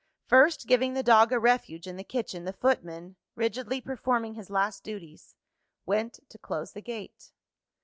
First giving the dog a refuge in the kitchen, the footman rigidly performing his last duties went to close the gate.